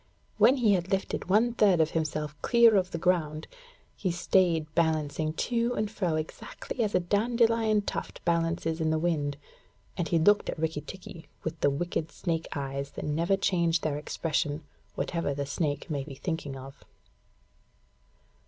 When he had lifted one third of himself clear of the ground, he stayed balancing to and fro exactly as a dandelion tuft balances in the wind, and he looked at Rikki tikki with the wicked snake's eyes that never change their expression, whatever the snake may be thinking of.